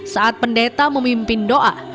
saat pendeta memimpin doa